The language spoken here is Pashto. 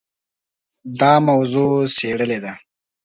دا موضوع څېړلې ده.